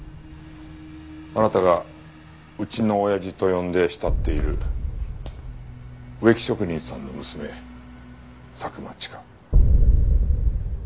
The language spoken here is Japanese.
あなたが「うちのおやじ」と呼んで慕っている植木職人さんの娘佐久間千佳。